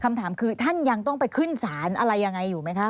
คำถามคือท่านยังต้องไปขึ้นศาลอะไรยังไงอยู่ไหมคะ